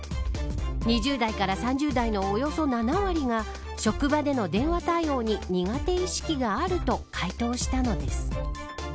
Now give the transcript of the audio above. ２０代から３０代のおよそ７割が職場での電話対応に苦手意識があると回答したのです。